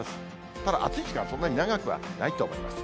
ただ、暑い時間はそんなに長くないと思います。